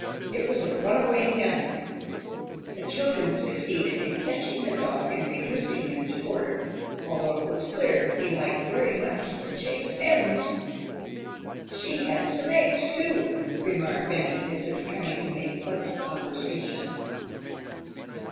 It was a runaway hen. The children succeeded in catching the dog and reducing him to order, although it was clear he liked very much to chase hens. "She had some eggs, too," remarked Benny as if trying to make pleasant conversation.